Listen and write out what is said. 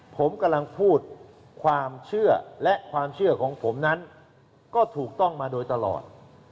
ผมกำลังพูดความเชื่อและความเชื่อของผมนั้นก็ถูกต้องมาโดยตลอด